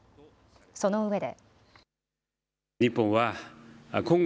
そのうえで。